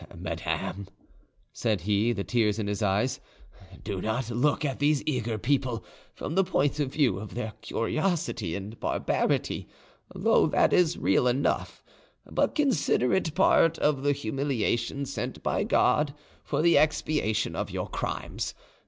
"Madame," said he, the tears in his eyes, "do not look at these eager people from the point of view of their curiosity and barbarity, though that is real enough, but consider it part of the humiliation sent by God for the expiation of your crimes.